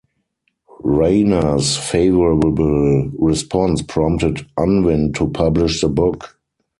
Rayner's favourable response prompted Unwin to publish the book.